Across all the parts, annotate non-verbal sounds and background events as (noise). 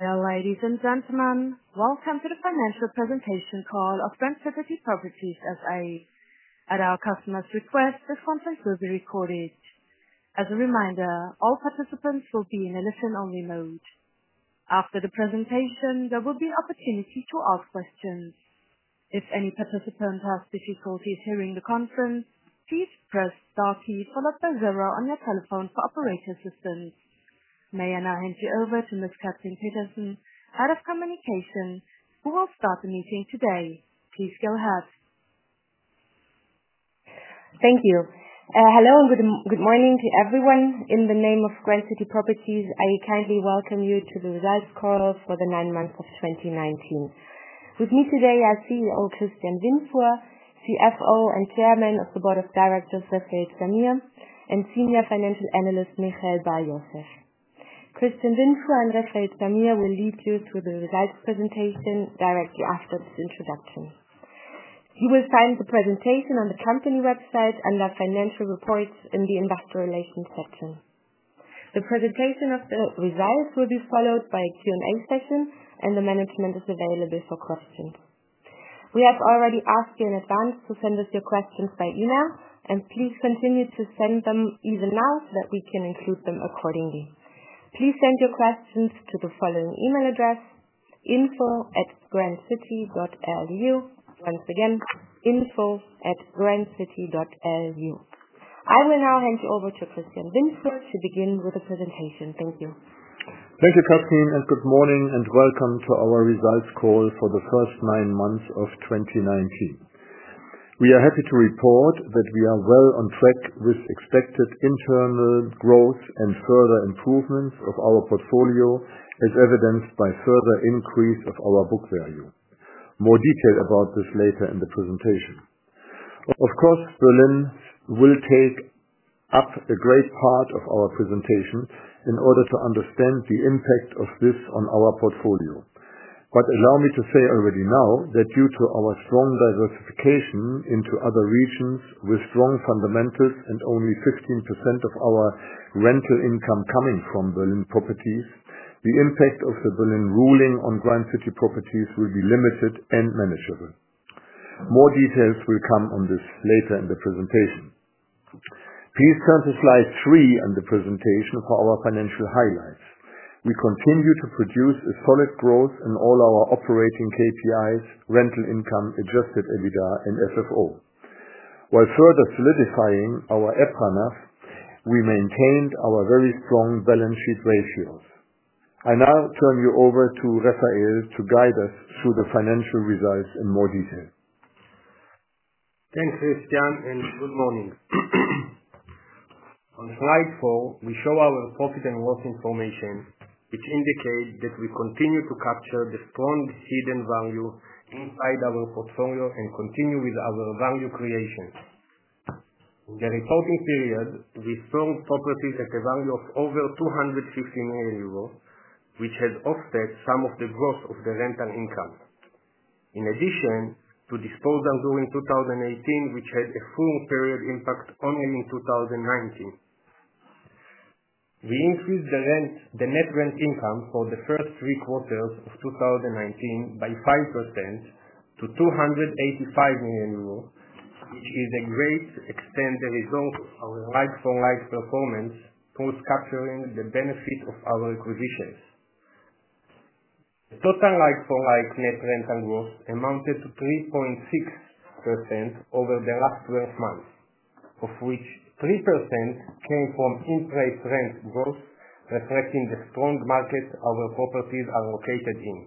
Ladies and gentlemen, welcome to the financial presentation call of Grand City Properties SE. At our customer's request, the conference will be recorded. As a reminder, all participants will be in a listen-only mode. After the presentation, there will be an opportunity to ask questions. If any participant has difficulties hearing the conference, please press star key followed by zero on your telephone for operator assistance. May I now hand you over to Ms. Katrin Petersen, Head of Communication, who will start the meeting today. Please go ahead. Thank you. Hello, and good morning to everyone. In the name of Grand City Properties, I kindly welcome you to the results call for the nine months of 2019. With me today are CEO Christian Windfuhr, CFO and Chairman of the Board of Directors, Refael Zamir, and Senior Financial Analyst, Michael Bar-Yosef. Christian Windfuhr and Refael Zamir will lead you through the results presentation directly after this introduction. You will find the presentation on the company website under Financial Reports in the Investor Relations section. The presentation of the results will be followed by a Q&A session. The management is available for questions. We have already asked you in advance to send us your questions by email. Please continue to send them even now, so that we can include them accordingly. Please send your questions to the following email address, info@grandcity.lu. Once again, info@grandcity.lu. I will now hand you over to Christian Windfuhr to begin with the presentation. Thank you. Thank you, Katrin. Good morning, and welcome to our results call for the first nine months of 2019. We are happy to report that we are well on track with expected internal growth and further improvements of our portfolio, as evidenced by further increase of our book value. More detail about this later in the presentation. Of course, Berlin will take up a great part of our presentation in order to understand the impact of this on our portfolio. Allow me to say already now that due to our strong diversification into other regions with strong fundamentals and only 15% of our rental income coming from Berlin properties, the impact of the Berlin ruling on Grand City Properties will be limited and manageable. More details will come on this later in the presentation. Please turn to slide three on the presentation for our financial highlights. We continue to produce a solid growth in all our operating KPIs, rental income, adjusted EBITDA, and FFO. While further solidifying our EPRA NAV, we maintained our very strong balance sheet ratios. I now turn you over to Refael to guide us through the financial results in more detail. Thanks, Christian, and good morning. On slide four, we show our profit and loss information, which indicates that we continue to capture the strong hidden value inside our portfolio and continue with our value creation. In the reporting period, we sold properties at a value of over 250 million euros, which has offset some of the growth of the rental income. In addition to disposals during 2018, which had a full period impact only in 2019. We increased the net rent income for the first three quarters of 2019 by 5% to 285 million euros, which is a great extent the result of our like-for-like performance towards capturing the benefit of our acquisitions. The total like-for-like net rental growth amounted to 3.6% over the last 12 months, of which 3% came from in-place rent growth, reflecting the strong market our properties are located in,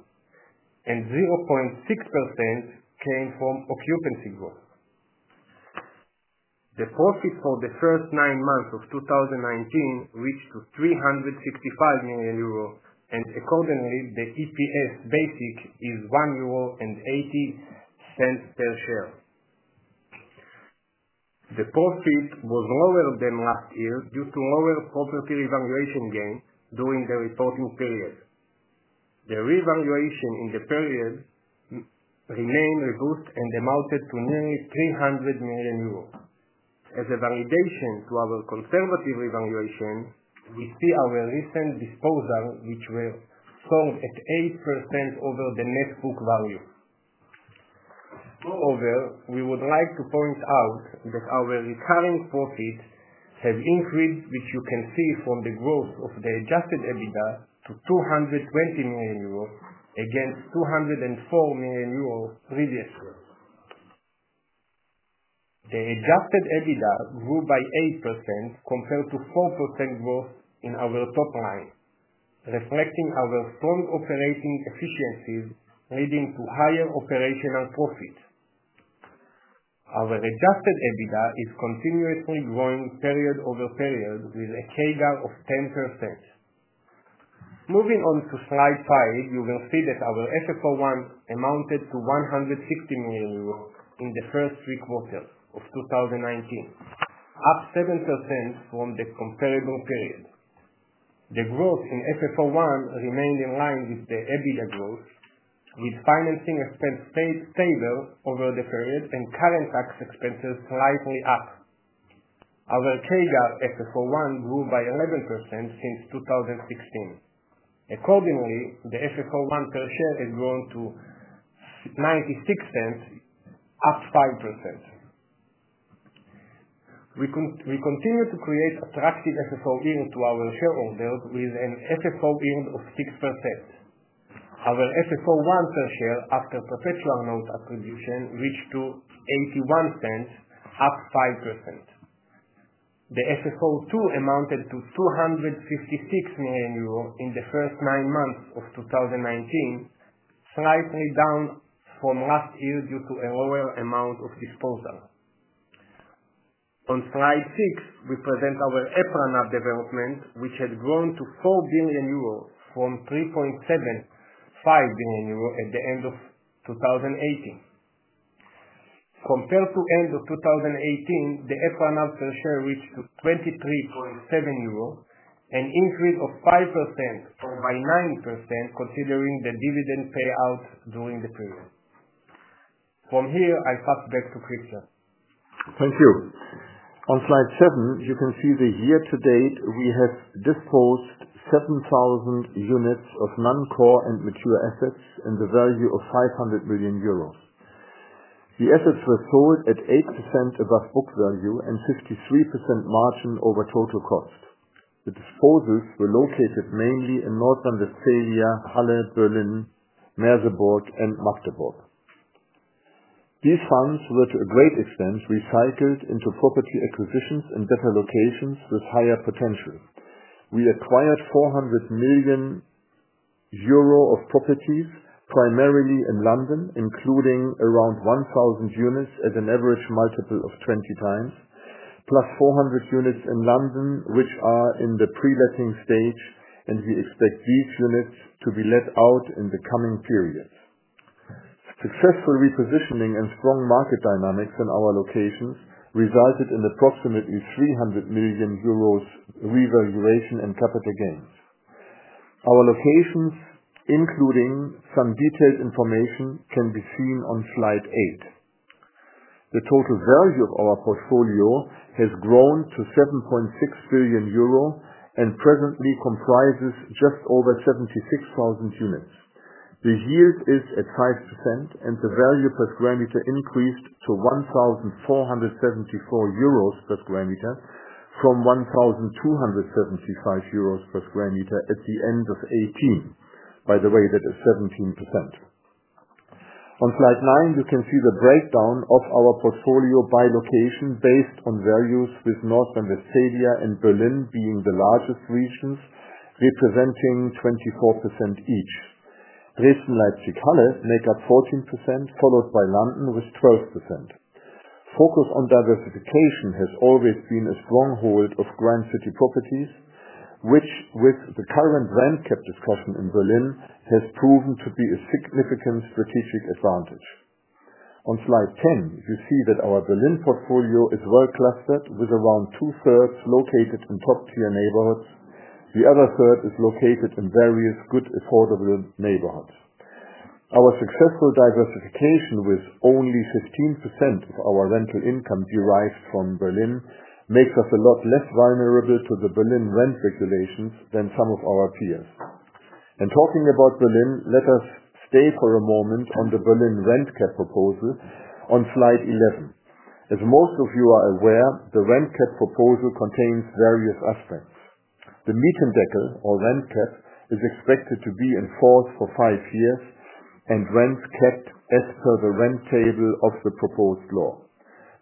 and 0.6% came from occupancy growth. The profit for the first nine months of 2019 reached to 365 million euro. Accordingly, the EPS basic is 1.80 euro per share. The profit was lower than last year due to lower property revaluation gain during the reporting period. The revaluation in the period remained robust and amounted to nearly 300 million euros. As a validation to our conservative revaluation, we see our recent disposal, which were sold at 8% over the net book value. Moreover, we would like to point out that our recurring profits have increased, which you can see from the growth of the adjusted EBITDA to 220 million euros against 204 million euros previous year. The adjusted EBITDA grew by 8% compared to 4% growth in our top line, reflecting our strong operating efficiencies leading to higher operational profits. Our adjusted EBITDA is continuously growing period over period with a CAGR of 10%. Moving on to slide five, you will see that our FFO 1 amounted to 160 million euros in the first three quarters of 2019, up 7% from the comparable period. The growth in FFO 1 remained in line with the EBITDA growth, with financing expense stayed stable over the period and current tax expenses slightly up. Our trailing FFO 1 grew by 11% since 2016. Accordingly, the FFO 1 per share has grown to EUR 0.96, up 5%. We continue to create attractive FFO yield to our shareholders with an FFO yield of 6%. Our FFO 1 per share after perpetual note attribution reached to 0.81, up 5%. The FFO 2 amounted to 256 million euro in the first nine months of 2019, slightly down from last year due to a lower amount of disposal. On slide six, we present our EPRA NAV development, which has grown to 4 billion euro from 3.75 billion euro at the end of 2018. Compared to end of 2018, the EPRA NAV per share reached to 23.7 euros, an increase of 5%, or by 9% considering the dividend payout during the period. From here, I pass back to Christian. Thank you. On slide seven, you can see the year to date, we have disposed 7,000 units of non-core and mature assets in the value of 500 million euros. The assets were sold at 8% above book value and 63% margin over total cost. The disposals were located mainly in North Rhine-Westphalia, Halle, Berlin, Merseburg, and Magdeburg. These funds were to a great extent recycled into property acquisitions in better locations with higher potential. We acquired 400 million euro of properties, primarily in London, including around 1,000 units at an average multiple of 20x, plus 400 units in London, which are in the pre-letting stage. We expect these units to be let out in the coming periods. Successful repositioning and strong market dynamics in our locations resulted in approximately 300 million euros revaluation and capital gains. Our locations, including some detailed information, can be seen on Slide 8. The total value of our portfolio has grown to 7.6 billion euro and presently comprises just over 76,000 units. The yield is at 5% and the value per square meter increased to EUR 1,474 per sq m from 1,275 euros per sq m at the end of 2018. By the way, that is 17%. On Slide 9, you can see the breakdown of our portfolio by location based on values with North Rhine-Westphalia and Berlin being the largest regions, representing 24% each. Dresden, Leipzig, Halle make up 14%, followed by London with 12%. Focus on diversification has always been a stronghold of Grand City Properties, which, with the current rent cap discussion in Berlin, has proven to be a significant strategic advantage. On Slide 10, you see that our Berlin portfolio is well clustered with around two-thirds located in top-tier neighborhoods. The other third is located in various good affordable neighborhoods. Our successful diversification with only 15% of our rental income derived from Berlin makes us a lot less vulnerable to the Berlin rent regulations than some of our peers. Talking about Berlin, let us stay for a moment on the Berlin rent cap proposal on Slide 11. As most of you are aware, the rent cap proposal contains various aspects. The Mietendeckel or rent cap is expected to be in force for five years and rent capped as per the rent table of the proposed law.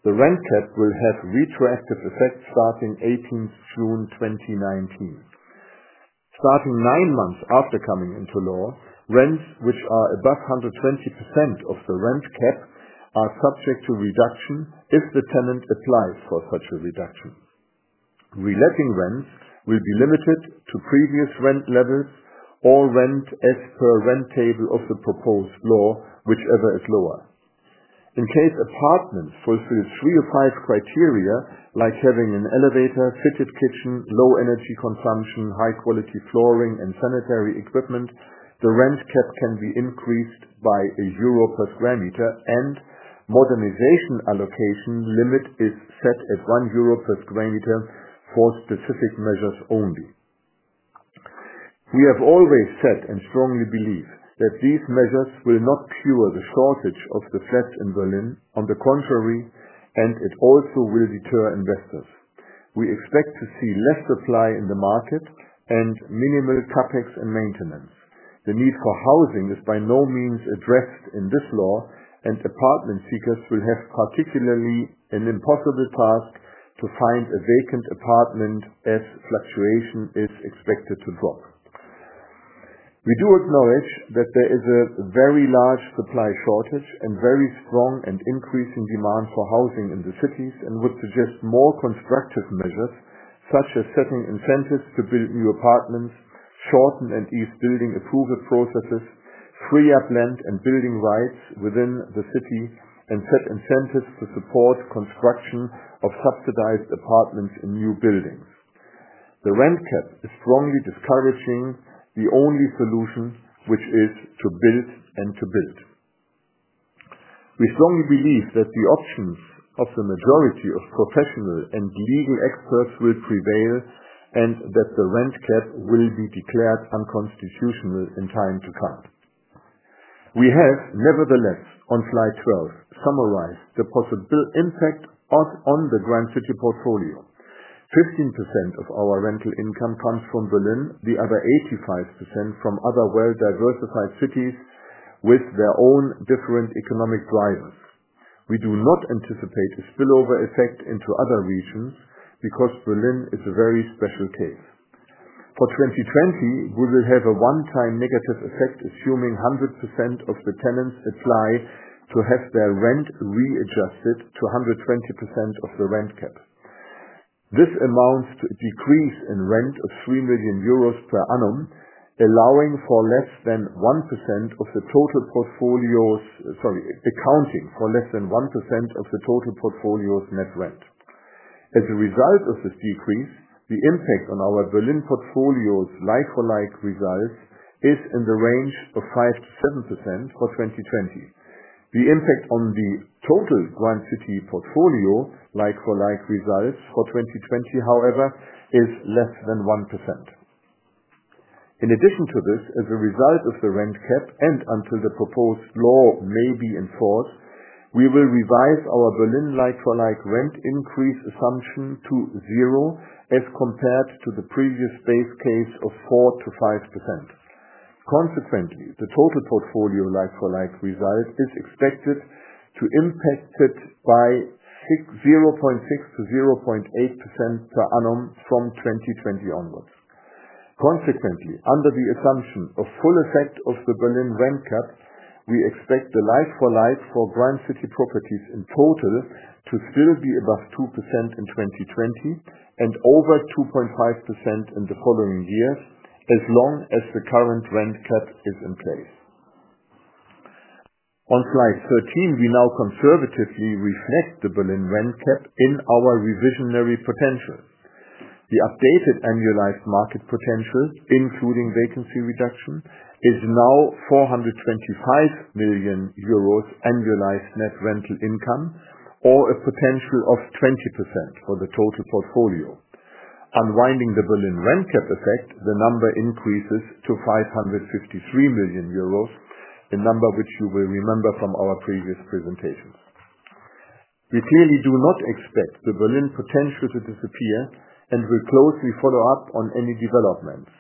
The rent cap will have retroactive effect starting 18th June 2019. Starting nine months after coming into law, rents which are above 120% of the rent cap are subject to reduction if the tenant applies for such a reduction. Re-letting rents will be limited to previous rent levels or rent as per rent table of the proposed law, whichever is lower. In case apartment fulfills three of five criteria, like having an elevator, fitted kitchen, low energy consumption, high quality flooring, and sanitary equipment, the rent cap can be increased by EUR 1 per square meter and modernization allocation limit is set at 1 euro per square meter for specific measures only. We have always said and strongly believe that these measures will not cure the shortage of the flats in Berlin. On the contrary, it also will deter investors. We expect to see less supply in the market and minimal CapEx and maintenance. The need for housing is by no means addressed in this law, and apartment seekers will have particularly an impossible task to find a vacant apartment as fluctuation is expected to drop. We do acknowledge that there is a very large supply shortage and very strong and increasing demand for housing in the cities and would suggest more constructive measures, such as setting incentives to build new apartments, shorten and ease building approval processes, free up land and building rights within the city, and set incentives to support construction of subsidized apartments in new buildings. The rent cap is strongly discouraging the only solution, which is to build and to build. We strongly believe that the options of the majority of professional and legal experts will prevail, and that the rent cap will be declared unconstitutional in time to come. We have, nevertheless, on slide 12, summarized the possible impact on the Grand City portfolio. 15% of our rental income comes from Berlin, the other 85% from other well-diversified cities with their own different economic drivers. We do not anticipate a spillover effect into other regions, because Berlin is a very special case. For 2020, we will have a one-time negative effect, assuming 100% of the tenants apply to have their rent readjusted to 120% of the rent cap. This amounts to a decrease in rent of 3 million euros per annum, accounting for less than 1% of the total portfolio's net rent. As a result of this decrease, the impact on our Berlin portfolio's like-for-like results is in the range of 5%-7% for 2020. The impact on the total Grand City portfolio like-for-like results for 2020, however, is less than 1%. In addition to this, as a result of the rent cap and until the proposed law may be enforced, we will revise our Berlin like-for-like rent increase assumption to zero, as compared to the previous base case of 4%-5%. Consequently, the total portfolio like-for-like results is expected to impact it by 0.6%-0.8% per annum from 2020 onwards. Consequently, under the assumption of full effect of the Berlin rent cap, we expect the like-for-like for Grand City Properties in total to still be above 2% in 2020, and over 2.5% in the following years, as long as the current rent cap is in place. On slide 13, we now conservatively reflect the Berlin rent cap in our revisionary potential. The updated annualized market potential, including vacancy reduction, is now 425 million euros annualized net rental income, or a potential of 20% for the total portfolio. Unwinding the Berlin rent cap effect, the number increases to 553 million euros, a number which you will remember from our previous presentations. We clearly do not expect the Berlin potential to disappear, and will closely follow up on any developments.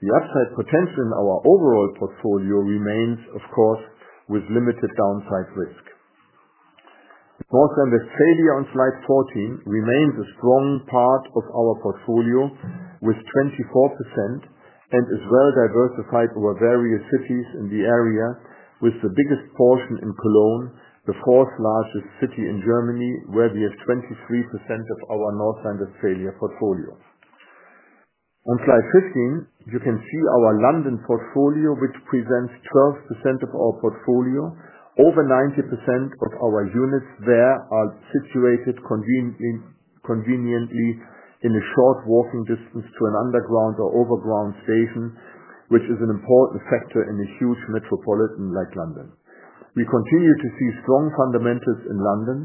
The upside potential in our overall portfolio remains, of course, with limited downside risk. North Rhine-Westphalia on slide 14 remains a strong part of our portfolio with 24%, and is well-diversified over various cities in the area, with the biggest portion in Cologne, the fourth-largest city in Germany, where we have 23% of our North Rhine-Westphalia portfolio. On slide 15, you can see our London portfolio, which presents 12% of our portfolio. Over 90% of our units there are situated conveniently in a short walking distance to an Underground or Overground station, which is an important factor in a huge metropolitan like London. We continue to see strong fundamentals in London.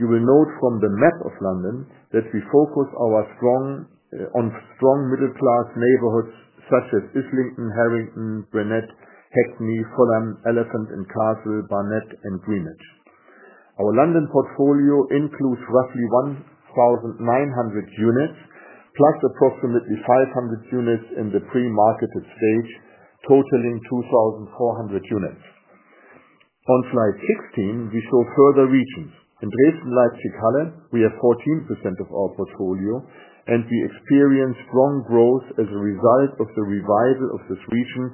You will note from the map of London that we focus on strong middle-class neighborhoods such as Islington, Harringay, Barnet, Hackney, Fulham, Elephant and Castle, Barnet, and Greenwich. Our London portfolio includes roughly 1,900 units, plus approximately 500 units in the pre-marketed stage, totaling 2,400 units. On slide 16, we show further regions. In Dresden, Leipzig, Halle, we have 14% of our portfolio, and we experience strong growth as a result of the revival of this region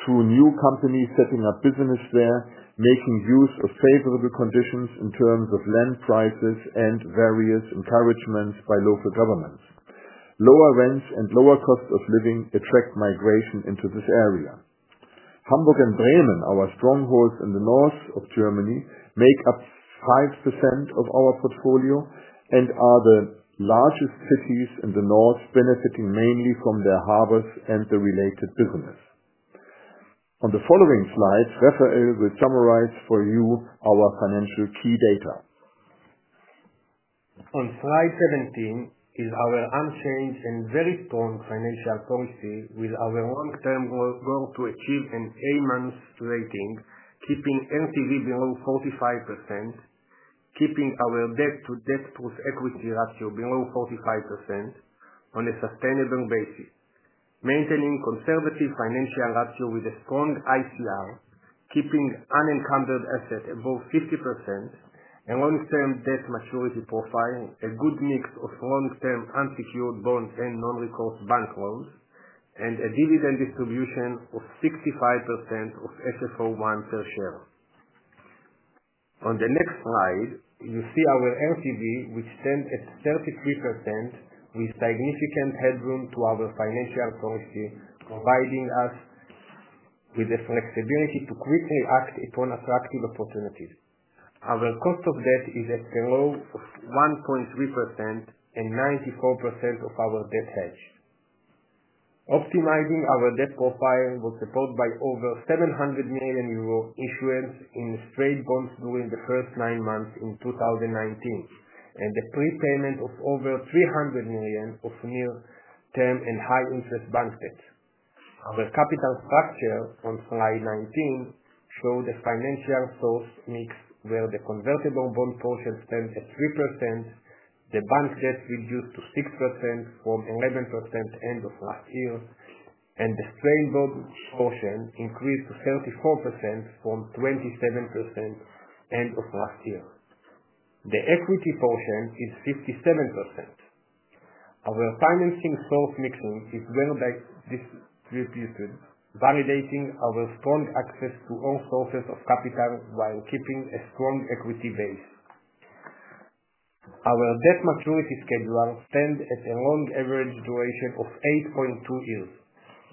through new companies setting up business there, making use of favorable conditions in terms of land prices and various encouragements by local governments. Lower rents and lower cost of living attract migration into this area. Hamburg and Bremen, our strongholds in the north of Germany, make up 5% of our portfolio and are the largest cities in the north, benefiting mainly from their harbors and the related business. On the following slides, Refael will summarize for you our financial key data. On slide 17 is our unchanged and very strong financial policy with our long-term goal to achieve an A- rating, keeping LTV below 45%, keeping our debt to equity ratio below 45% on a sustainable basis. Maintaining conservative financial ratio with a strong ICR, keeping unencumbered asset above 50%, a long-term debt maturity profile, a good mix of long-term unsecured bonds and non-recourse bank loans, and a dividend distribution of 65% of FFO1 per share. On the next slide, you see our LTV, which stands at 33%, with significant headroom to our financial policy, providing us with the flexibility to quickly act upon attractive opportunities. Our cost of debt is at a low of 1.3%, and 94% of our debt hedge. Optimizing our debt profile was supported by over 700 million euro issuance in straight bonds during the first nine months in 2019, and the prepayment of over 300 million of near-term and high-interest bank debt. Our capital structure on slide 19 shows the financial source mix, where the convertible bond portion stands at 3%, the bank debt reduced to 6% from 11% end of last year, and the straight bond portion increased to 34% from 27% end of last year. The equity portion is 57%. Our financing source mixing is well distributed, validating our strong access to all sources of capital while keeping a strong equity base. Our debt maturity schedule stands at a long average duration of 8.2 years,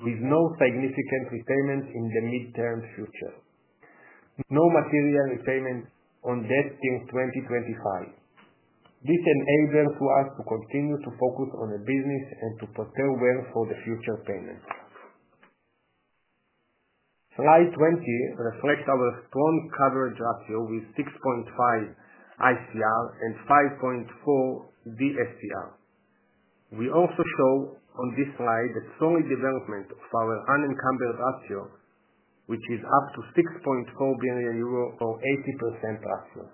with no significant repayments in the mid-term future. No material repayment on debt till 2025. This enables us to continue to focus on the business and to prepare well for the future payments. Slide 20 reflects our strong coverage ratio with 6.5 ICR and 5.4 DSCR. We also show on this slide the solid development of our unencumbered ratio, which is up to 6.4 billion euro or 80% ratio.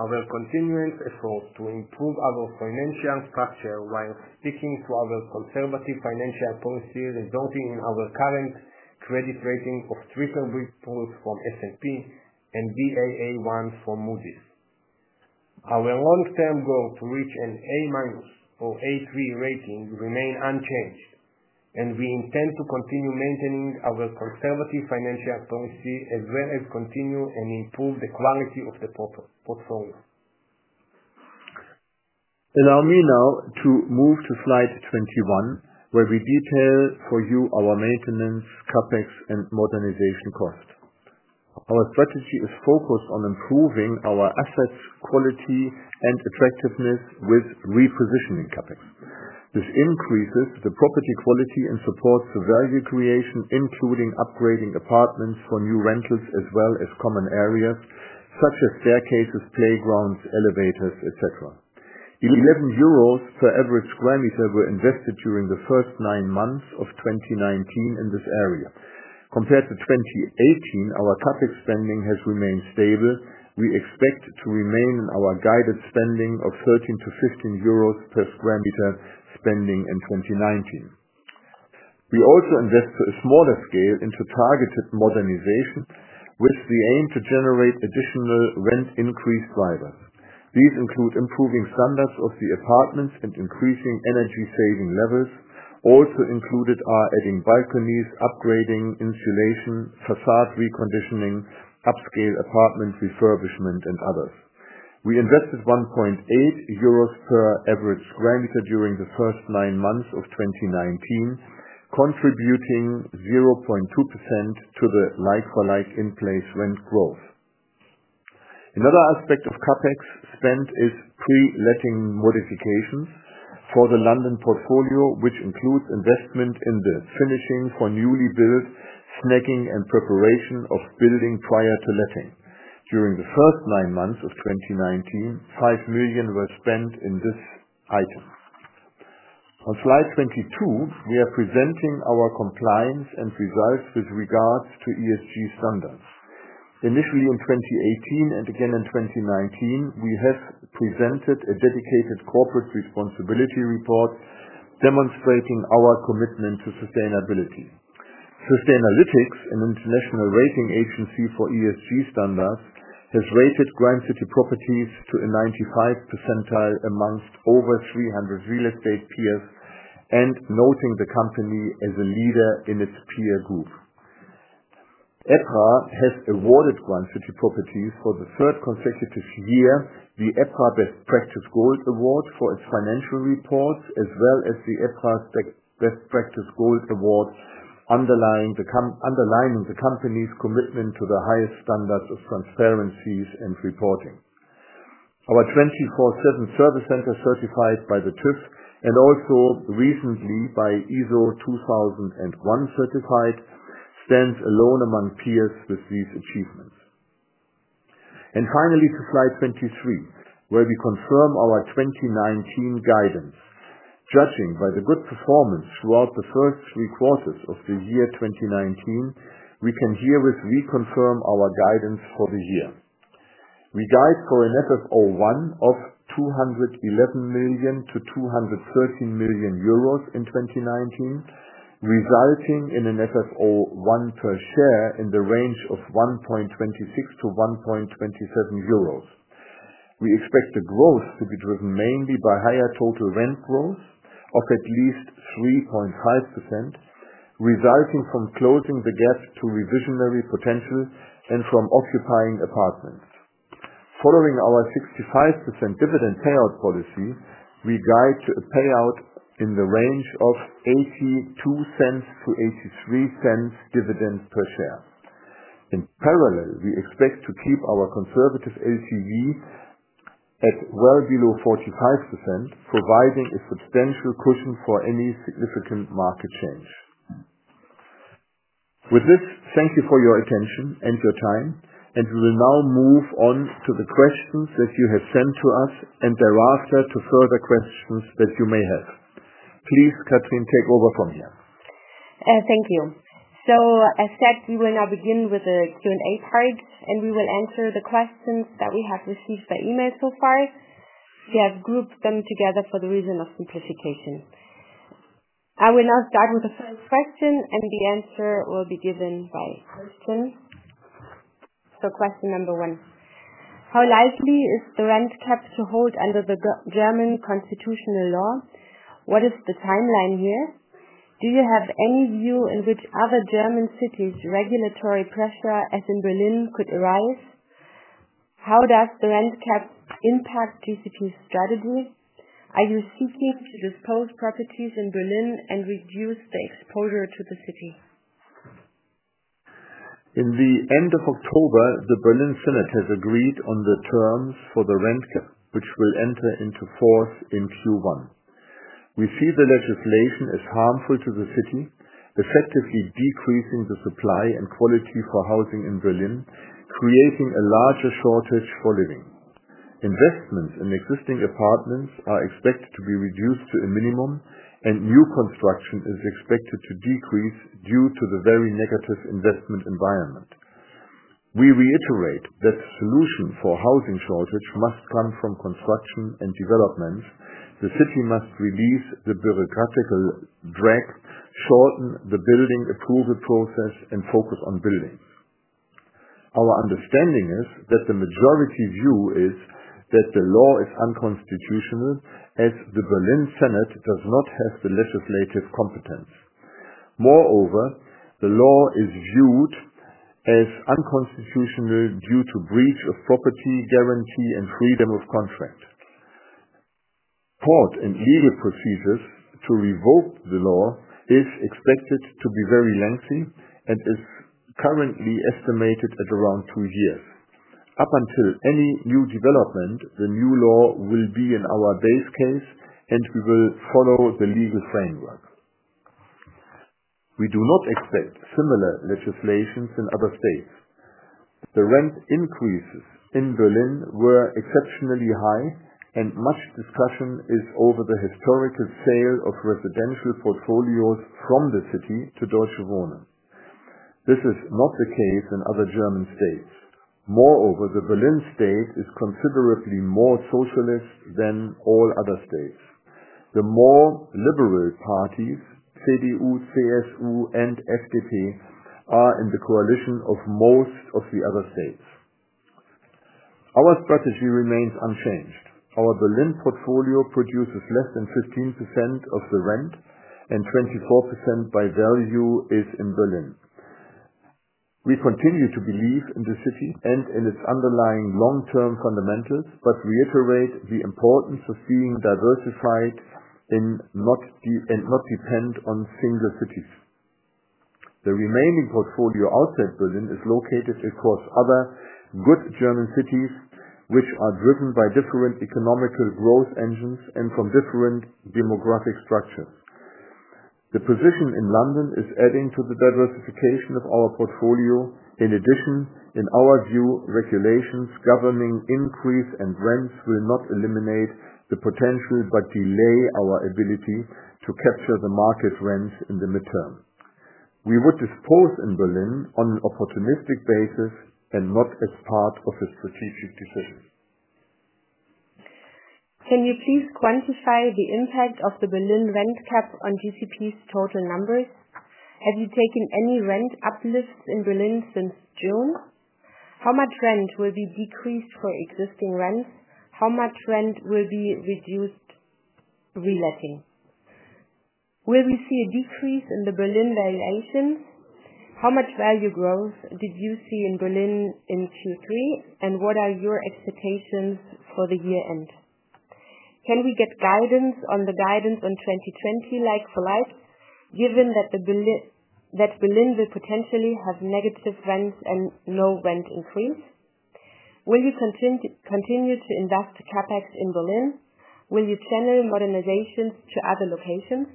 Our continuing effort to improve our financial structure while sticking to our conservative financial policies resulting in our current credit rating of triple B plus from S&P and Baa1 from Moody's. Our long-term goal to reach an A- or A3 rating remain unchanged, we intend to continue maintaining our conservative financial policy as well as continue and improve the quality of the portfolio. Allow me now to move to slide 21, where we detail for you our maintenance, CapEx, and modernization cost. Our strategy is focused on improving our assets' quality and attractiveness with repositioning CapEx. This increases the property quality and supports the value creation, including upgrading apartments for new rentals, as well as common areas such as staircases, playgrounds, elevators, et cetera. 11 euros per average square meter were invested during the first nine months of 2019 in this area. Compared to 2018, our CapEx spending has remained stable. We expect to remain in our guided spending of 13-15 euros per square meter spending in 2019. We also invest a smaller scale into targeted modernization with the aim to generate additional rent increase drivers. These include improving standards of the apartments and increasing energy saving levels. Also included are adding balconies, upgrading insulation, façade reconditioning, upscale apartment refurbishment, and others. We invested 1.8 euros per average square meter during the first nine months of 2019, contributing 0.2% to the like-for-like in-place rent growth. Another aspect of CapEx spend is pre-letting modifications for the London portfolio, which includes investment in the finishing for newly built, snagging, and preparation of building prior to letting. During the first nine months of 2019, 5 million were spent in this item. On slide 22, we are presenting our compliance and results with regards to ESG standards. Initially in 2018 and again in 2019, we have presented a dedicated corporate responsibility report demonstrating our commitment to sustainability. Sustainalytics, an international rating agency for ESG standards, has rated Grand City Properties to a 95 percentile amongst over 300 real estate peers and noting the company as a leader in its peer group. EPRA has awarded Grand City Properties for the third consecutive year, the EPRA Best Practices Gold Award for its financial reports, as well as the EPRA Best Practices Gold Award, underlining the company's commitment to the highest standards of transparencies and reporting. Our 24/7 service center certified by the TÜV and also recently by ISO 9001 certified, stands alone among peers with these achievements. Finally, to slide 23, where we confirm our 2019 guidance. Judging by the good performance throughout the first three quarters of the year 2019, we can herewith reconfirm our guidance for the year. We guide for an FFO1 of EUR 211 million-EUR 213 million in 2019, resulting in an FFO1 per share in the range of 1.26-1.27 euros. We expect the growth to be driven mainly by higher total rent growth of at least 3.5%, resulting from closing the gap to revisionary potential and from occupying apartments. Following our 65% dividend payout policy, we guide a payout in the range of 0.82 to 0.83 dividend per share. In parallel, we expect to keep our conservative LTV at well below 45%, providing a substantial cushion for any significant market change. With this, thank you for your attention and your time. We will now move on to the questions that you have sent to us, and thereafter, to further questions that you may have. Please, Katrin, take over from here. Thank you. As said, we will now begin with the Q&A part. We will answer the questions that we have received by email so far. We have grouped them together for the reason of simplification. I will now start with the first question, and the answer will be given by Christian. Question number one. How likely is the rent cap to hold under the German constitutional law? What is the timeline here? Do you have any view in which other German cities regulatory pressure, as in Berlin, could arise? How does the rent cap impact GCP strategy? Are you seeking to dispose properties in Berlin and reduce the exposure to the city? In the end of October, the Berlin Senate has agreed on the terms for the rent cap, which will enter into force in Q1. We see the legislation as harmful to the city, effectively decreasing the supply and quality for housing in Berlin, creating a larger shortage for living. Investments in existing apartments are expected to be reduced to a minimum, and new construction is expected to decrease due to the very negative investment environment. We reiterate that solution for housing shortage must come from construction and development. The city must release the (inaudible) drag, shorten the building approval process, and focus on building. Our understanding is that the majority view is that the law is unconstitutional, as the Berlin Senate does not have the legislative competence. Moreover, the law is viewed as unconstitutional due to breach of property guarantee and freedom of contract. Court and legal procedures to revoke the law is expected to be very lengthy and is currently estimated at around two years. Up until any new development, the new law will be in our base case. We will follow the legal framework. We do not expect similar legislations in other states. The rent increases in Berlin were exceptionally high and much discussion is over the historical sale of residential portfolios from the city to Deutsche Wohnen. This is not the case in other German states. The Berlin state is considerably more socialist than all other states. The more liberal parties, CDU, CSU, and FDP, are in the coalition of most of the other states. Our strategy remains unchanged. Our Berlin portfolio produces less than 15% of the rent, and 24% by value is in Berlin. We continue to believe in the city and in its underlying long-term fundamentals, but reiterate the importance of being diversified and not depend on single cities. The remaining portfolio outside Berlin is located across other good German cities, which are driven by different economic growth engines and from different demographic structures. The position in London is adding to the diversification of our portfolio. In addition, in our view, regulations governing increase and rents will not eliminate the potential but delay our ability to capture the market rents in the midterm. We would dispose in Berlin on an opportunistic basis and not as part of a strategic decision. Can you please quantify the impact of the Berlin rent cap on GCP's total numbers? Have you taken any rent uplifts in Berlin since June? How much rent will be decreased for existing rents? How much rent will be reduced reletting? Will we see a decrease in the Berlin valuation? How much value growth did you see in Berlin in Q3, and what are your expectations for the year-end? Can we get guidance on the 2020 like-for-like, given that Berlin will potentially have negative rents and low rent increase? Will you continue to invest CapEx in Berlin? Will you channel modernizations to other locations?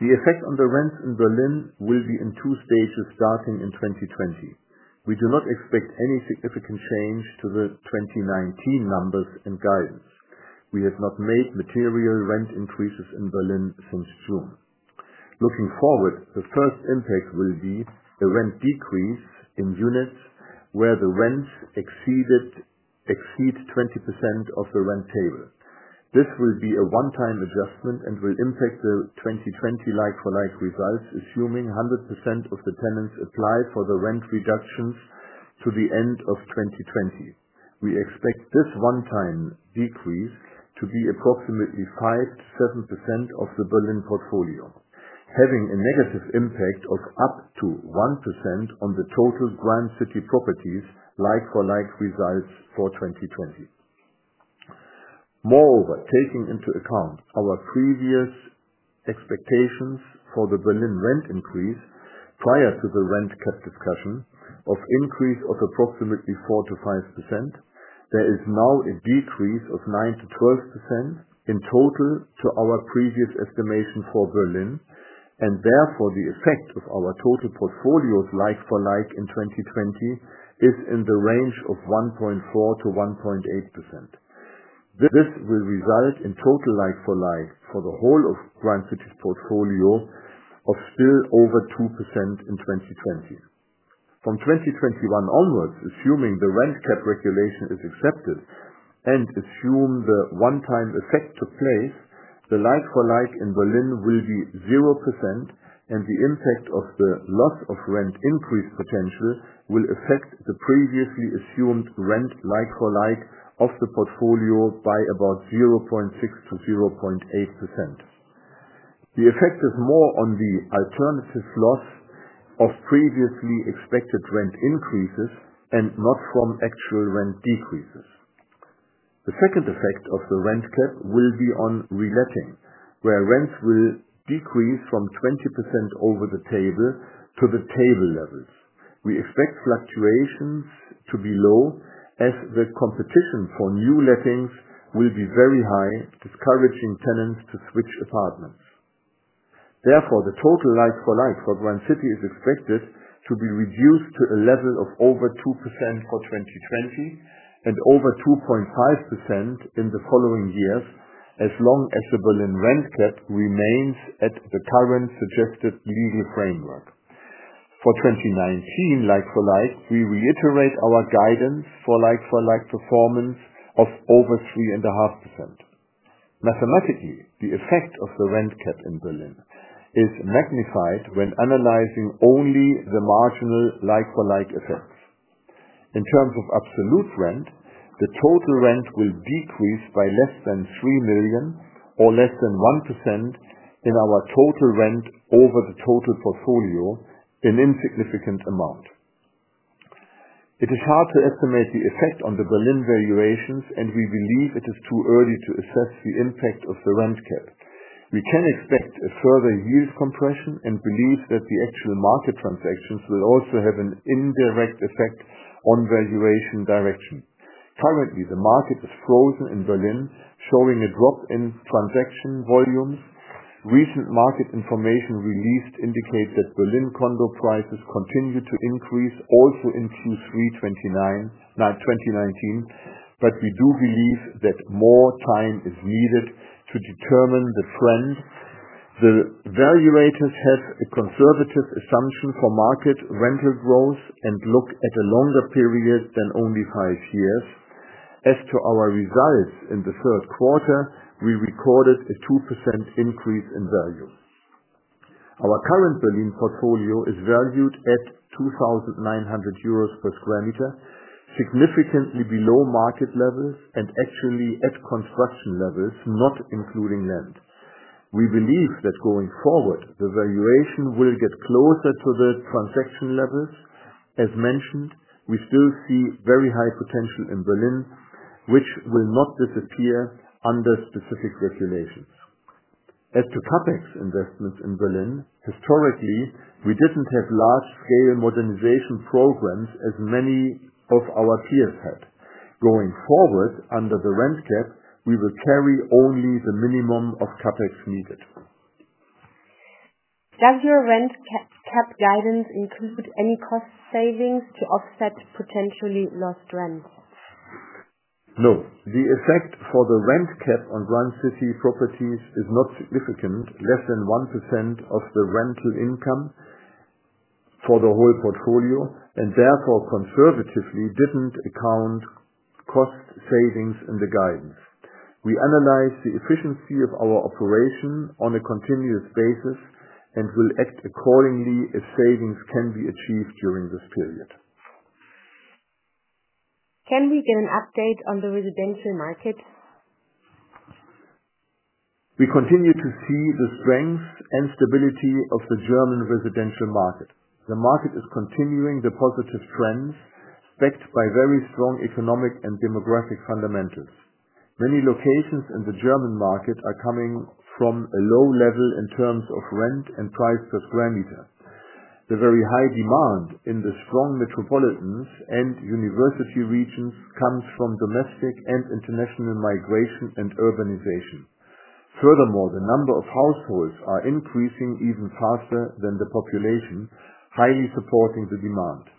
The effect on the rents in Berlin will be in two stages, starting in 2020. We do not expect any significant change to the 2019 numbers and guidance. We have not made material rent increases in Berlin since June. Looking forward, the first impact will be a rent decrease in units where the rents exceed 20% of the rent table. This will be a one-time adjustment and will impact the 2020 like-for-like results, assuming 100% of the tenants apply for the rent reductions to the end of 2020. We expect this one-time decrease to be approximately 5%-7% of the Berlin portfolio, having a negative impact of up to 1% on the total Grand City Properties like-for-like results for 2020. Moreover, taking into account our previous expectations for the Berlin rent increase prior to the rent cap discussion of increase of approximately 4%-5%, there is now a decrease of 9%-12% in total to our previous estimation for Berlin, and therefore the effect of our total portfolio's like-for-like in 2020 is in the range of 1.4%-1.8%. This will result in total like-for-like for the whole of Grand City's portfolio of still over 2% in 2020. From 2021 onwards, assuming the rent cap regulation is accepted and assume the one-time effect took place, the like-for-like in Berlin will be 0%, and the impact of the loss of rent increase potential will affect the previously assumed rent like-for-like of the portfolio by about 0.6%-0.8%. The effect is more on the alternative loss of previously expected rent increases and not from actual rent decreases. The second effect of the rent cap will be on reletting, where rents will decrease from 20% over the table to the table levels. We expect fluctuations to be low as the competition for new lettings will be very high, discouraging tenants to switch apartments. Therefore, the total like-for-like for Grand City is expected to be reduced to a level of over 2% for 2020 and over 2.5% in the following years, as long as the Berlin rent cap remains at the current suggested legal framework. For 2019 like-for-like, we reiterate our guidance for like-for-like performance of over 3.5%. Mathematically, the effect of the rent cap in Berlin is magnified when analyzing only the marginal like-for-like effects. In terms of absolute rent, the total rent will decrease by less than 3 million or less than 1% in our total rent over the total portfolio, an insignificant amount. It is hard to estimate the effect on the Berlin valuations, and we believe it is too early to assess the impact of the rent cap. We can expect a further yield compression and believe that the actual market transactions will also have an indirect effect on valuation direction. Currently, the market is frozen in Berlin, showing a drop in transaction volumes. Recent market information released indicate that Berlin condo prices continue to increase also into 2019, but we do believe that more time is needed to determine the trend. The valuators have a conservative assumption for market rental growth and look at a longer period than only five years. As to our results in the first quarter, we recorded a 2% increase in value. Our current Berlin portfolio is valued at 2,900 euros per sq m, significantly below market levels and actually at construction levels, not including land. We believe that going forward, the valuation will get closer to the transaction levels. As mentioned, we still see very high potential in Berlin, which will not disappear under specific regulations. As to CapEx investments in Berlin, historically, we didn't have large scale modernization programs as many of our peers had. Going forward, under the rent cap, we will carry only the minimum of CapEx needed. Does your rent cap guidance include any cost savings to offset potentially lost rents? No. The effect for the rent cap on Grand City Properties is not significant, less than 1% of the rental income for the whole portfolio. Therefore, conservatively, didn't account cost savings in the guidance. We analyze the efficiency of our operation on a continuous basis and will act accordingly if savings can be achieved during this period. Can we get an update on the residential market? We continue to see the strength and stability of the German residential market. The market is continuing the positive trends backed by very strong economic and demographic fundamentals. Many locations in the German market are coming from a low level in terms of rent and price per square meter. The very high demand in the strong metropolitans and university regions comes from domestic and international migration and urbanization. Furthermore, the number of households are increasing even faster than the population, highly supporting the demand.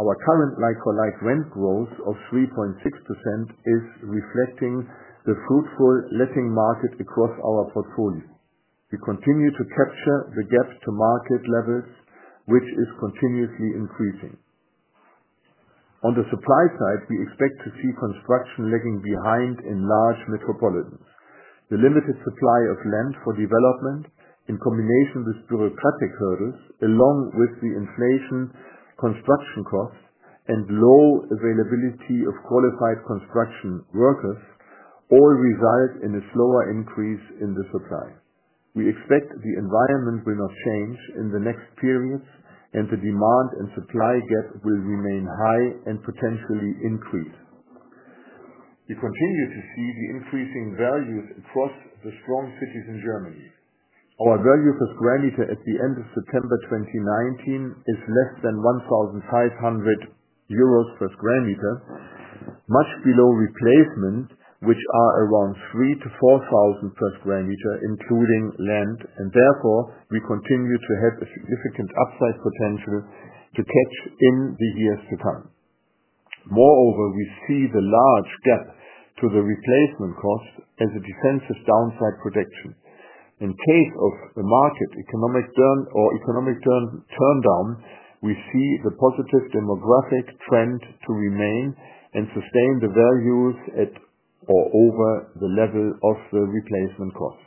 Our current like-for-like rent growth of 3.6% is reflecting the fruitful letting market across our portfolio. We continue to capture the gap to market levels, which is continuously increasing. On the supply side, we expect to see construction lagging behind in large metropolitans. The limited supply of land for development in combination with bureaucratic hurdles, along with the inflation, construction costs, and low availability of qualified construction workers, all result in a slower increase in the supply. We expect the environment will not change in the next periods, and the demand and supply gap will remain high and potentially increase. We continue to see the increasing values across the strong cities in Germany. Our value per square meter at the end of September 2019 is less than 1,500 euros per square meter, much below replacement, which are around 3,000-4,000 per square meter, including land. Therefore, we continue to have a significant upside potential to catch in the years to come. Moreover, we see the large gap to the replacement cost as a defensive downside protection. In case of a market economic turn or economic turndown, we see the positive demographic trend to remain and sustain the values at or over the level of the replacement cost.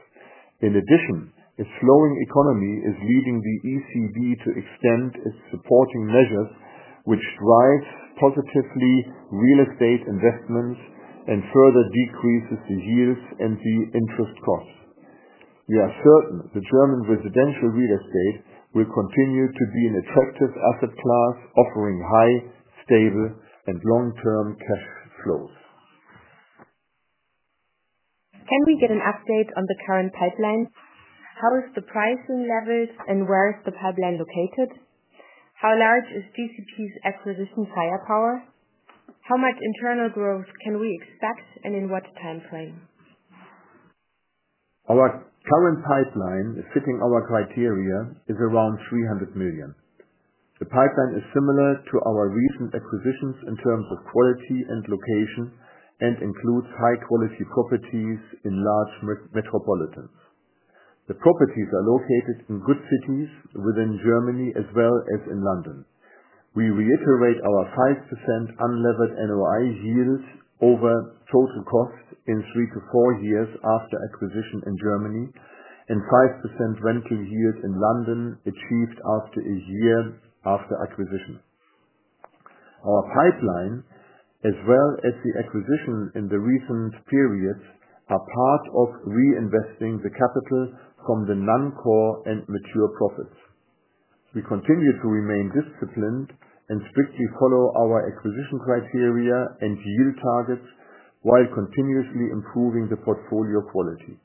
In addition, a slowing economy is leading the ECB to extend its supporting measures, which drives positively real estate investments and further decreases the yields and the interest costs. We are certain the German residential real estate will continue to be an attractive asset class, offering high, stable, and long-term cash flows. Can we get an update on the current pipeline? How is the pricing levels, and where is the pipeline located? How large is GCP's acquisition firepower? How much internal growth can we expect, and in what timeframe? Our current pipeline fitting our criteria is around 300 million. The pipeline is similar to our recent acquisitions in terms of quality and location and includes high-quality properties in large metropolitans. The properties are located in good cities within Germany as well as in London. We reiterate our 5% unlevered NOI yields over total cost in three to four years after acquisition in Germany, and 5% rental yields in London achieved after a year after acquisition. Our pipeline, as well as the acquisition in the recent periods, are part of reinvesting the capital from the non-core and mature profits. We continue to remain disciplined and strictly follow our acquisition criteria and yield targets while continuously improving the portfolio quality.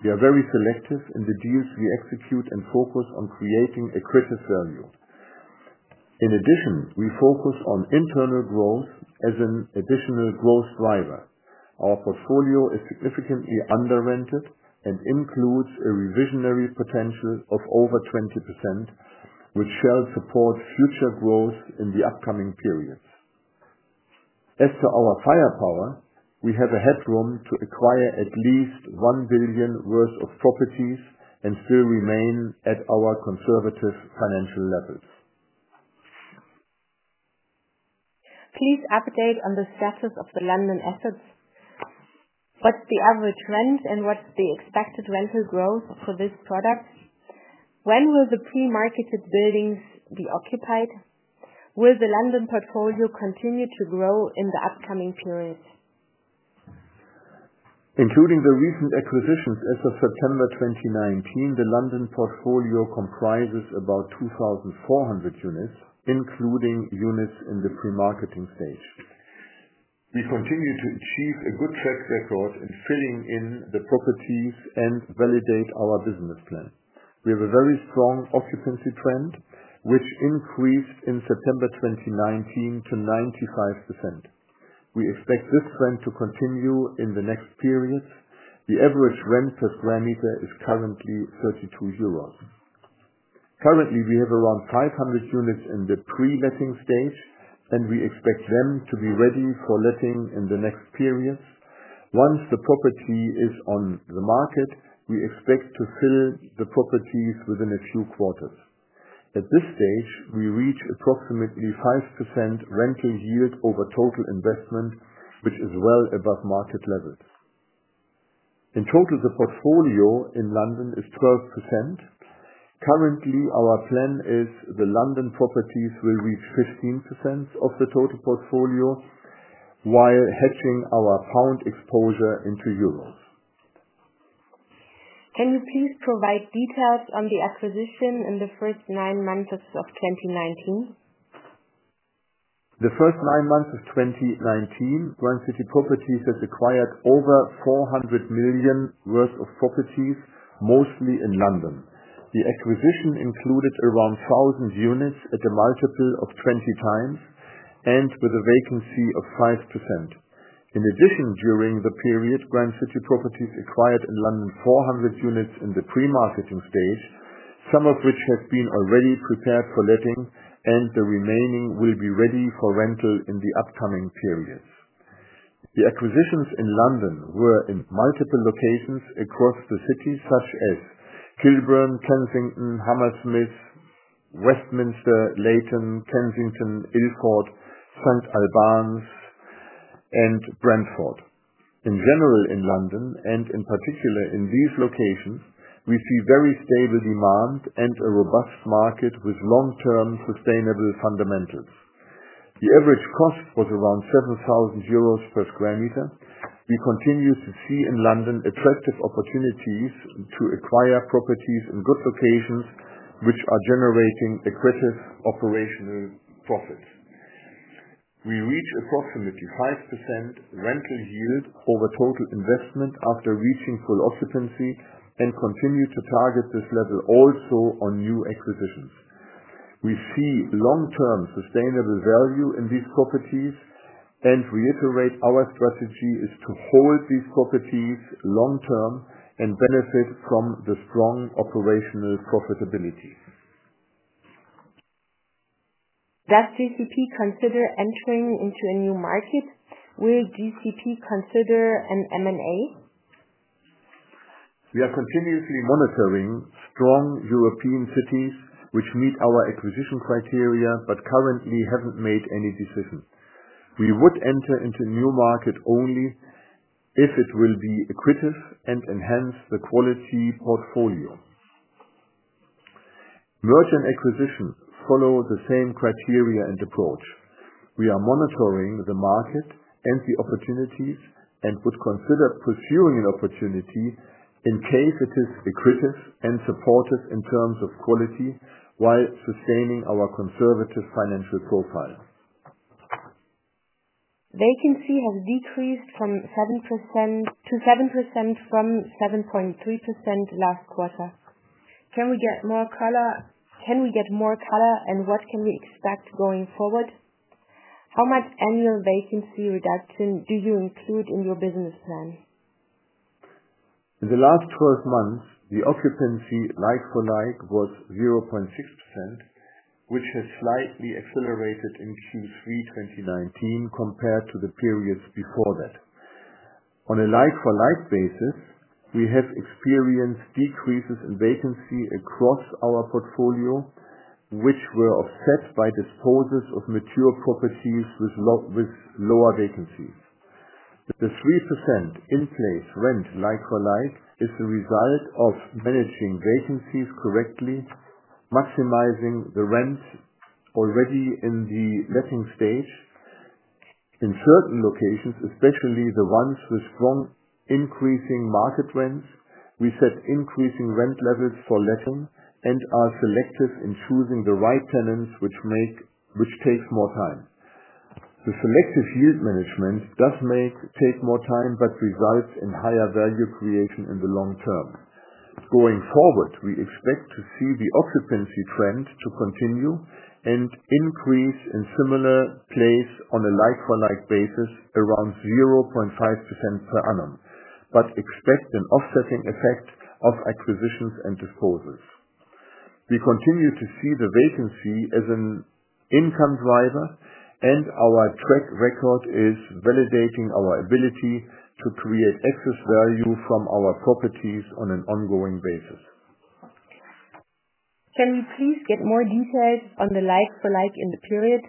We are very selective in the deals we execute and focus on creating accretive value. In addition, we focus on internal growth as an additional growth driver. Our portfolio is significantly under rented and includes a revisionary potential of over 20%, which shall support future growth in the upcoming periods. As to our firepower, we have a headroom to acquire at least 1 billion worth of properties and still remain at our conservative financial levels. Please update on the status of the London assets. What's the average rent, and what's the expected rental growth for this product? When will the pre-marketed buildings be occupied? Will the London portfolio continue to grow in the upcoming periods? Including the recent acquisitions as of September 2019, the London portfolio comprises about 2,400 units, including units in the pre-marketing stage. We continue to achieve a good track record in fitting in the properties and validate our business plan. We have a very strong occupancy trend, which increased in September 2019 to 95%. We expect this trend to continue in the next periods. The average rent per square meter is currently 32 euros. Currently, we have around 500 units in the pre-letting stage, we expect them to be ready for letting in the next periods. Once the property is on the market, we expect to fill the properties within a few quarters. At this stage, we reach approximately 5% rental yield over total investment, which is well above market levels. In total, the portfolio in London is 12%. Currently, our plan is the London properties will reach 15% of the total portfolio while hedging our pound exposure into euros. Can you please provide details on the acquisition in the first nine months of 2019? The first nine months of 2019, Grand City Properties has acquired over 400 million worth of properties, mostly in London. The acquisition included around 1,000 units at a multiple of 20 times and with a vacancy of 5%. In addition, during the period, Grand City Properties acquired in London 400 units in the pre-marketing stage, some of which have been already prepared for letting, and the remaining will be ready for rental in the upcoming periods. The acquisitions in London were in multiple locations across the city, such as Kilburn, Kensington, Hammersmith, Westminster, Leyton, Kensington, Ilford, St. Albans, and Brentford. In general, in London, and in particular in these locations, we see very stable demand and a robust market with long-term sustainable fundamentals. The average cost was around 7,000 euros per sq m. We continue to see in London attractive opportunities to acquire properties in good locations, which are generating aggressive operational profits. We reach approximately 5% rental yield over total investment after reaching full occupancy, and continue to target this level also on new acquisitions. We see long-term sustainable value in these properties and reiterate our strategy is to hold these properties long-term and benefit from the strong operational profitability. Does GCP consider entering into a new market? Will GCP consider an M&A? We are continuously monitoring strong European cities which meet our acquisition criteria, currently haven't made any decision. We would enter into new market only if it will be accretive and enhance the quality portfolio. Merge and acquisition follow the same criteria and approach. We are monitoring the market and the opportunities, and would consider pursuing an opportunity in case it is accretive and supportive in terms of quality, while sustaining our conservative financial profile. Vacancy has decreased to 7% from 7.3% last quarter. Can we get more color, and what can we expect going forward? How much annual vacancy reduction do you include in your business plan? In the last 12 months, the occupancy like-for-like was 0.6%, which has slightly accelerated in Q3 2019 compared to the periods before that. On a like-for-like basis, we have experienced decreases in vacancy across our portfolio, which were offset by disposals of mature properties with lower vacancies. The 3% in place rent like-for-like is the result of managing vacancies correctly, maximizing the rent already in the letting stage. In certain locations, especially the ones with strong increasing market rents, we set increasing rent levels for letting and are selective in choosing the right tenants, which takes more time. The selective yield management does take more time, but results in higher value creation in the long term. Going forward, we expect to see the occupancy trend to continue and increase in similar place on a like-for-like basis around 0.5% per annum, but expect an offsetting effect of acquisitions and disposals. We continue to see the vacancy as an income driver, and our track record is validating our ability to create excess value from our properties on an ongoing basis. Can we please get more details on the like-for-like in the period?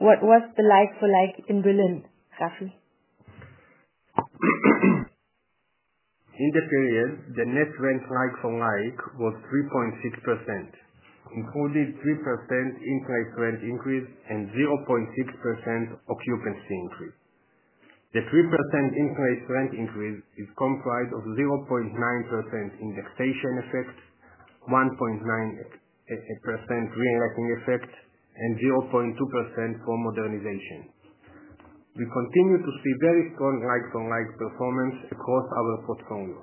What was the like-for-like in Berlin, Rafi? In the period, the net rent like-for-like was 3.6%, including 3% in-place rent increase and 0.6% occupancy increase. The 3% in-place rent increase is comprised of 0.9% indexation effect, 1.9% reletting effect, and 0.2% for modernization. We continue to see very strong like-for-like performance across our portfolio,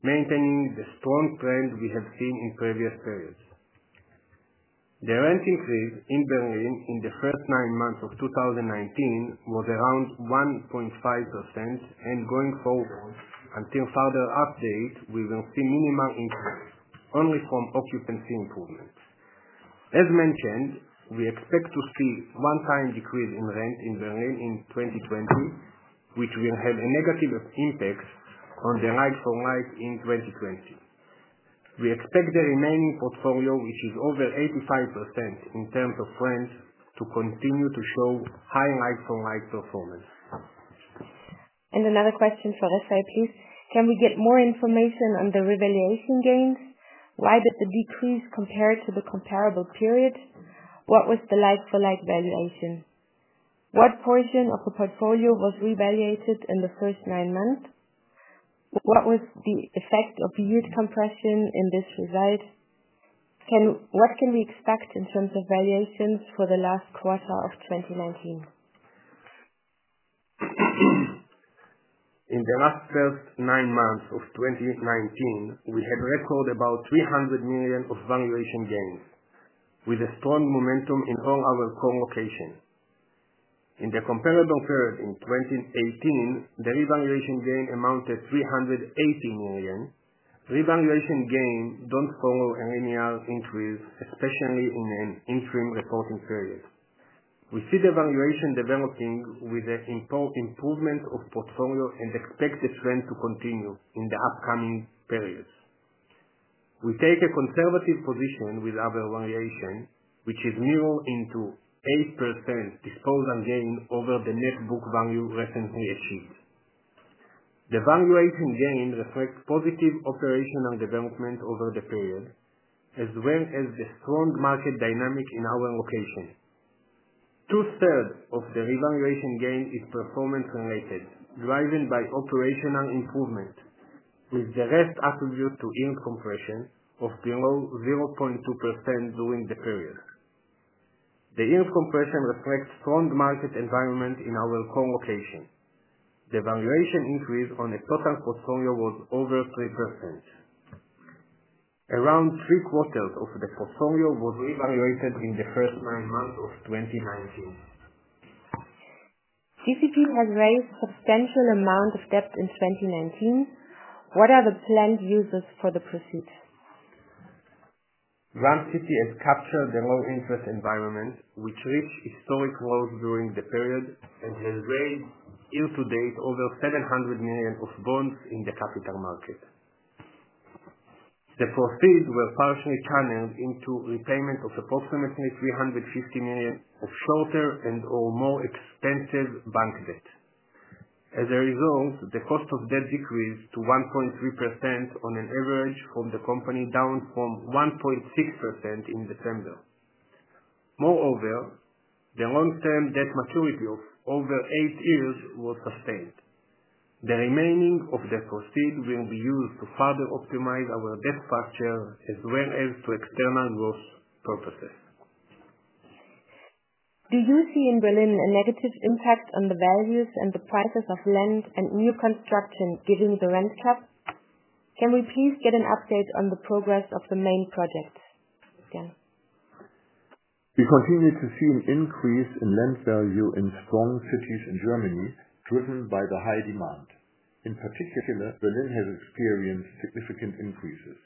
maintaining the strong trend we have seen in previous periods. The rent increase in Berlin in the first nine months of 2019 was around 1.5%, going forward, until further update, we will see minimal increase, only from occupancy improvements. As mentioned, we expect to see one time decrease in rent in Berlin in 2020, which will have a negative impact on the like-for-like in 2020. We expect the remaining portfolio, which is over 85% in terms of rents, to continue to show high like-for-like performance. Another question for Rafi, please. Can we get more information on the revaluation gains? Why did they decrease compared to the comparable period? What was the like-for-like valuation? What portion of the portfolio was revaluated in the first nine months? What was the effect of yield compression in this result? What can we expect in terms of valuations for the last quarter of 2019? In the last first nine months of 2019, we had recorded about 300 million of valuation gains, with a strong momentum in all our core locations. In the comparable period in 2018, the revaluation gain amounted 380 million. Revaluation gain don't follow a linear increase, especially in an interim reporting period. We see the valuation developing with the improvement of portfolio and expect the trend to continue in the upcoming periods. We take a conservative position with our valuation, which is mirror into 8% disposal gain over the net book value recently achieved. The valuation gain reflects positive operational development over the period, as well as the strong market dynamic in our location. Two-thirds of the revaluation gain is performance-related, driven by operational improvement, with the rest attributed to yield compression of below 0.2% during the period. The yield compression reflects strong market environment in our core location. The valuation increase on the total portfolio was over 3%. Around three quarters of the portfolio was reevaluated in the first nine months of 2019. GCP has raised substantial amount of debt in 2019. What are the planned uses for the proceeds? Grand City has captured the low interest environment, which reached historic lows during the period, and has raised, year to date, over 700 million of bonds in the capital market. The proceeds were partially channeled into repayment of approximately 350 million of shorter and/or more expensive bank debt. As a result, the cost of debt decreased to 1.3% on an average from the company, down from 1.6% in December. Moreover, the long-term debt maturity of over eight years was sustained. The remaining of the proceeds will be used to further optimize our debt structure as well as to external growth purposes. Do you see in Berlin a negative impact on the values and the prices of land and new construction given the rent cap? Can we please get an update on the progress of the main projects again? We continue to see an increase in land value in strong cities in Germany, driven by the high demand. In particular, Berlin has experienced significant increases.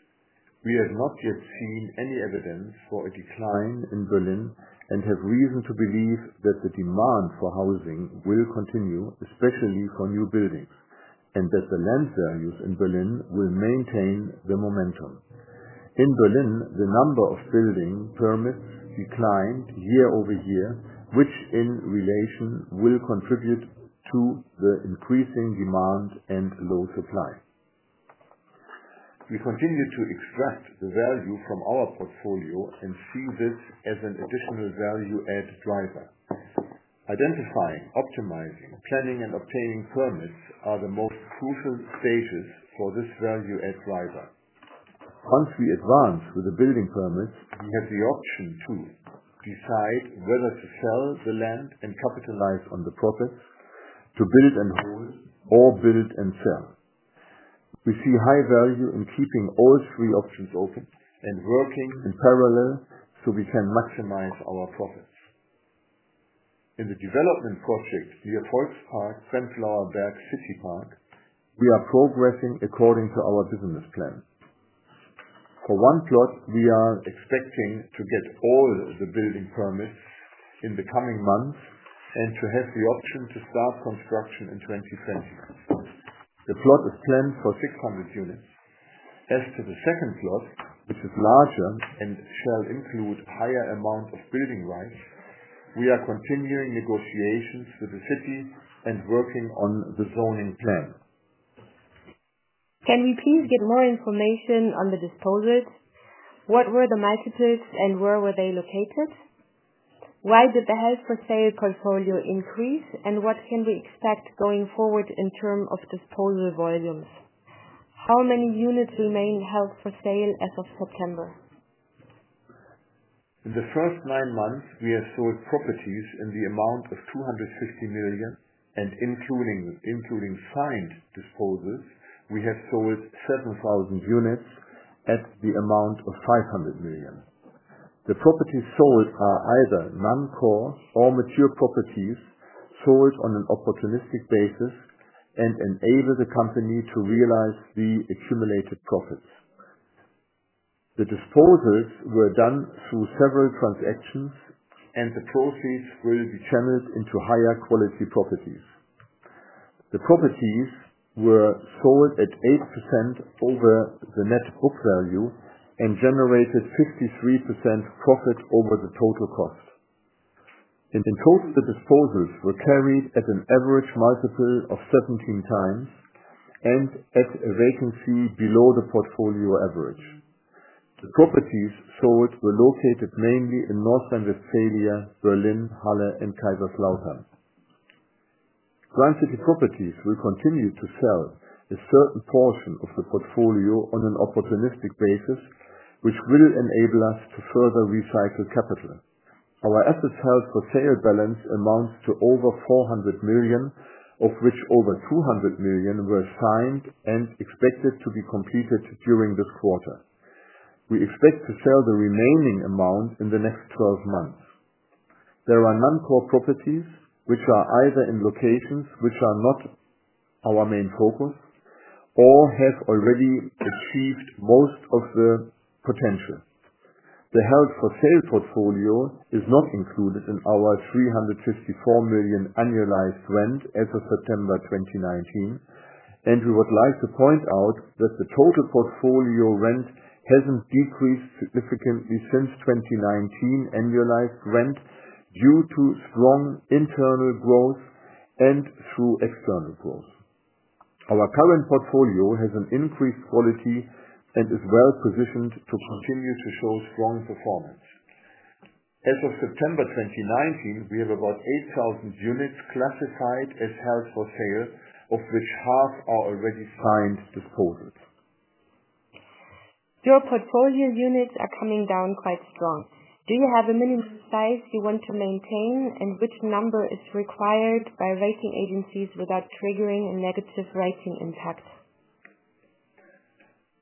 We have not yet seen any evidence for a decline in Berlin and have reason to believe that the demand for housing will continue, especially for new buildings, and that the land values in Berlin will maintain the momentum. In Berlin, the number of building permits declined year-over-year, which in relation will contribute to the increasing demand and low supply. We continue to extract the value from our portfolio and see this as an additional value-add driver. Identifying, optimizing, planning, and obtaining permits are the most crucial stages for this value-add driver. Once we advance with the building permits, we have the option to decide whether to sell the land and capitalize on the profits, to build and hold, or build and sell. We see high value in keeping all three options open and working in parallel so we can maximize our profits. In the development project via Volkspark, in Berlin in City Park, we are progressing according to our business plan. For one plot, we are expecting to get all the building permits in the coming months and to have the option to start construction in 2020. The plot is planned for 600 units. As to the second plot, which is larger and shall include higher amount of building rights, we are continuing negotiations with the city and working on the zoning plan. Can we please get more information on the disposals? What were the multiples and where were they located? Why did the held-for-sale portfolio increase, and what can we expect going forward in terms of disposal volumes? How many units remain held-for-sale as of September? In the first nine months, we have sold properties in the amount of 250 million, and including signed disposals, we have sold 7,000 units at the amount of 500 million. The properties sold are either non-core or mature properties sold on an opportunistic basis and enable the company to realize the accumulated profits. The disposals were done through several transactions, and the proceeds will be channeled into higher quality properties. The properties were sold at 8% over the net book value and generated 53% profit over the total cost. In total, the disposals were carried at an average multiple of 17 times and at a vacancy below the portfolio average. The properties sold were located mainly in North Rhine-Westphalia, Berlin, Halle, and Kaiserslautern. Grand City Properties will continue to sell a certain portion of the portfolio on an opportunistic basis, which will enable us to further recycle capital. Our assets held-for-sale balance amounts to over 400 million, of which over 200 million were signed and expected to be completed during this quarter. We expect to sell the remaining amount in the next 12 months. There are non-core properties, which are either in locations which are not our main focus or have already achieved most of the potential. The held-for-sale portfolio is not included in our 354 million annualized rent as of September 2019. We would like to point out that the total portfolio rent hasn't decreased significantly since 2019 annualized rent due to strong internal growth and through external growth. Our current portfolio has an increased quality and is well positioned to continue to show strong performance. As of September 2019, we have about 8,000 units classified as held-for-sale, of which half are already signed disposed. Your portfolio units are coming down quite strong. Do you have a minimum size you want to maintain, and which number is required by rating agencies without triggering a negative rating impact?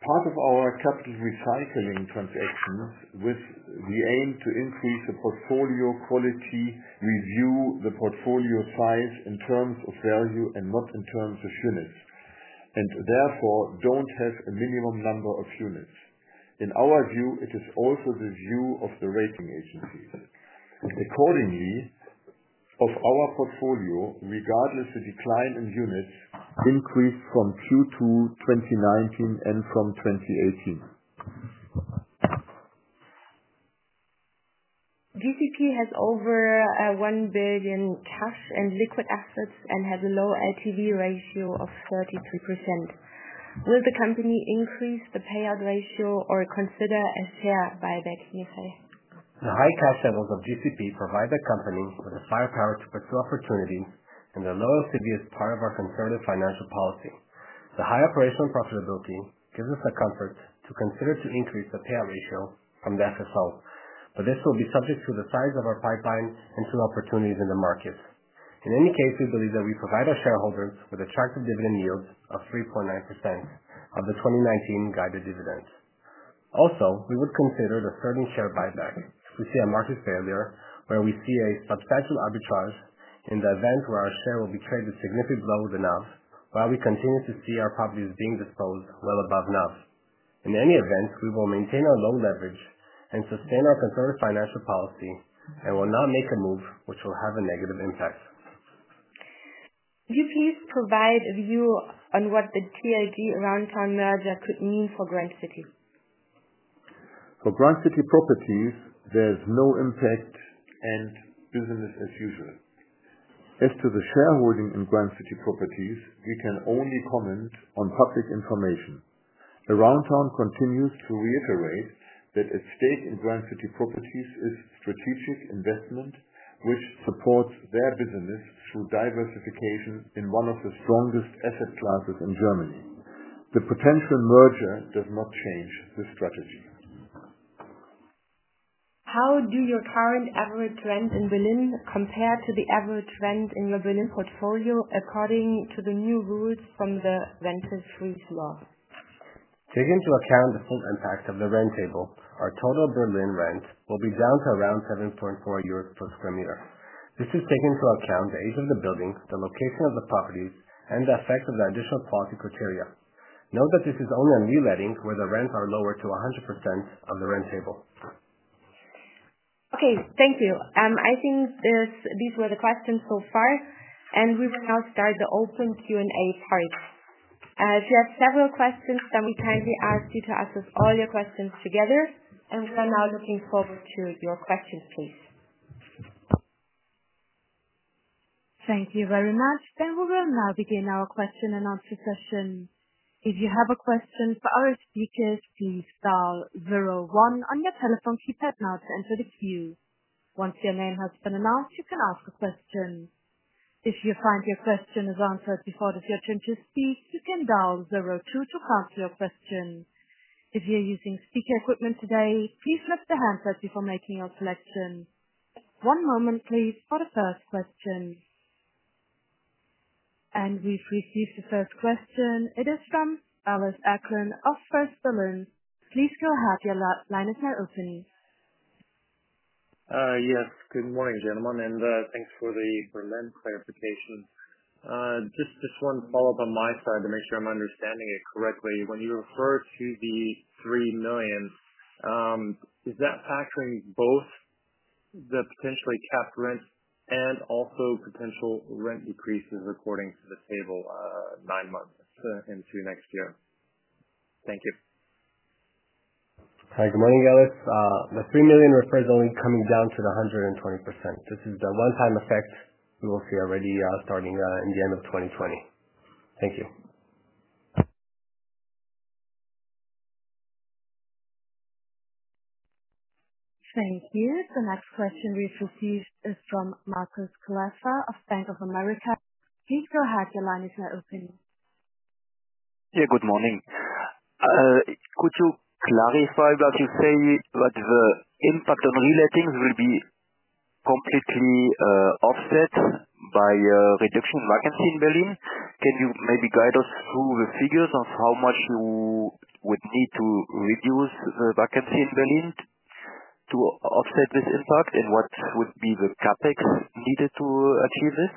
Part of our capital recycling transactions, with the aim to increase the portfolio quality, review the portfolio size in terms of value and not in terms of units. Therefore, don't have a minimum number of units. In our view, it is also the view of the rating agencies. Accordingly, of our portfolio, regardless of decline in units, increased from Q2 2019 and from 2018. GCP has over 1 billion cash and liquid assets and has a low LTV ratio of 33%. Will the company increase the payout ratio or consider a share buyback, [Yosef]? The high cash levels of GCP provide the company with the firepower to pursue opportunities, and the low LTV is part of our conservative financial policy. The high operational profitability gives us the comfort to consider to increase the payout ratio from the FFO, but this will be subject to the size of our pipeline and to the opportunities in the market. In any case, we believe that we provide our shareholders with attractive dividend yields of 3.9% of the 2019 guided dividend. Also, we would consider deserving share buyback. We see a market failure where we see a substantial arbitrage in the event where our share will be traded significantly below the NAV, while we continue to see our properties being disposed well above NAV. In any event, we will maintain our low leverage and sustain our conservative financial policy and will not make a move which will have a negative impact. Can you please provide a view on what the TAG Aroundtown merger could mean for Grand City? For Grand City Properties, there's no impact and business as usual. As to the shareholding in Grand City Properties, we can only comment on public information. Aroundtown continues to reiterate that its stake in Grand City Properties is strategic investment, which supports their business through diversification in one of the strongest asset classes in Germany. The potential merger does not change this strategy. How do your current average rents in Berlin compare to the average rents in your Berlin portfolio according to the new rules from the rental freeze law? Taking into account the full impact of the rent table, our total Berlin rents will be down to around 7.4 euros per square meter. This is taking into account the age of the buildings, the location of the properties, and the effect of the additional quality criteria. Note that this is only on relettings where the rents are lowered to 100% of the rent table. Okay. Thank you. I think these were the questions so far. We will now start the open Q&A part. If you have several questions, we kindly ask you to ask us all your questions together. We are now looking forward to your questions, please. Thank you very much. We will now begin our question and answer session. If you have a question for our speakers, please dial zero one on your telephone keypad now to enter the queue. Once your name has been announced, you can ask a question. If you find your question is answered before it is your turn to speak, you can dial zero two to cancel your question. If you're using speaker equipment today, please lift the handset before making your selection. One moment please for the first question. We've received the first question. It is from Ellis Acklin of First Berlin. Please go ahead. Your line is now open. Yes. Good morning, gentlemen. Thanks for the rent clarification. Just one follow-up on my side to make sure I'm understanding it correctly. When you refer to the 3 million, is that factoring both the potentially capped rents and also potential rent decreases according to the table, nine months into next year? Thank you. Hi. Good morning, Ellis. The 3 million refers only coming down to the 120%. This is the one-time effect we will see already starting in the end of 2020. Thank you. Thank you. The next question we've received is from Marcus Klaffka of Bank of America. Please go ahead. Your line is now open. Good morning. Could you clarify that you say that the impact of relettings will be completely offset by a reduction in vacancy in Berlin? Can you maybe guide us through the figures of how much you would need to reduce the vacancy in Berlin to offset this impact, and what would be the CapEx needed to achieve this?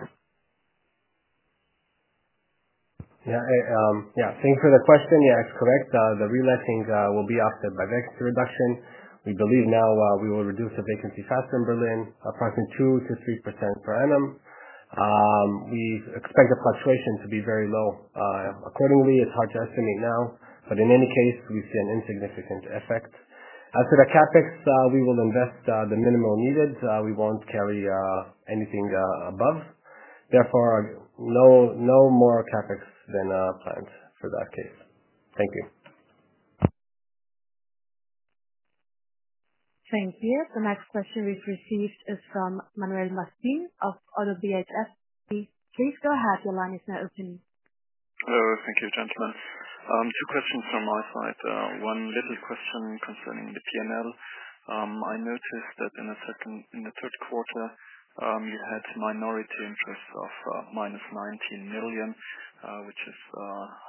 Thanks for the question. It's correct. The relettings will be offset by vacancy reduction. We believe now we will reduce the vacancy faster in Berlin, approximately 2%-3% per annum. We expect the fluctuation to be very low. Accordingly, it's hard to estimate now, but in any case, we see an insignificant effect. As for the CapEx, we will invest the minimum needed. We won't carry anything above. Therefore, no more CapEx than planned for that case. Thank you. Thank you. The next question we've received is from Manuel Martin of ODDO BHF. Please go ahead. Your line is now open. Thank you, gentlemen. Two questions from my side. One little question concerning the P&L. I noticed that in the third quarter, you had minority interests of -19 million, which is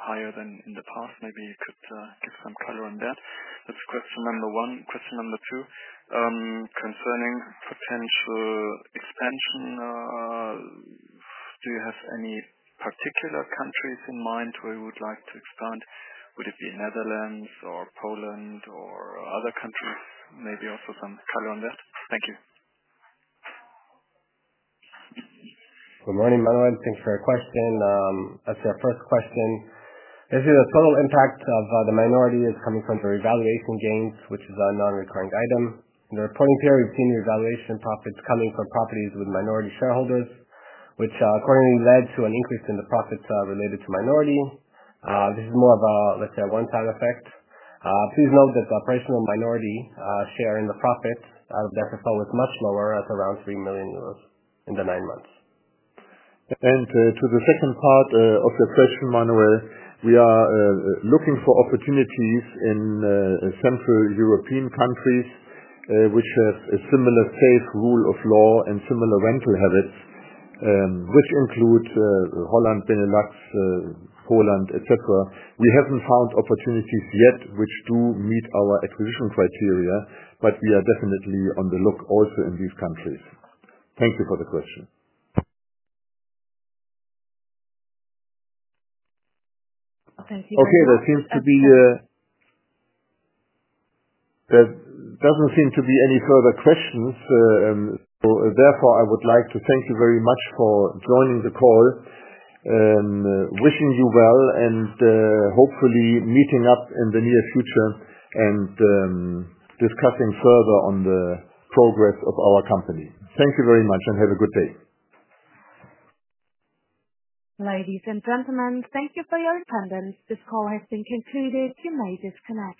higher than in the past. Maybe you could give some color on that. That's question number one. Question number two, concerning potential expansion. Do you have any particular countries in mind where you would like to expand? Would it be Netherlands or Poland or other countries? Maybe also some color on that. Thank you. Good morning, Manuel. Thanks for your question. As to your first question, actually, the total impact of the minority is coming from the revaluation gains, which is a non-recurring item. In the reporting period, we've seen revaluation profits coming from properties with minority shareholders, which accordingly led to an increase in the profits related to minority. This is more of a one-time effect. Please note that the operational minority share in the profit, therefore, was much lower at around 3 million euros in the nine months. To the second part of your question, Manuel, we are looking for opportunities in Central European countries, which have a similar safe rule of law and similar rental habits. This includes Holland, Benelux, Poland, et cetera. We haven't found opportunities yet which do meet our acquisition criteria, but we are definitely on the look also in these countries. Thank you for the question. (inaudible) Okay. There doesn't seem to be any further questions. Therefore, I would like to thank you very much for joining the call and wishing you well, and hopefully meeting up in the near future and discussing further on the progress of our company. Thank you very much and have a good day. Ladies and gentlemen, thank you for your attendance. This call has been concluded. You may disconnect.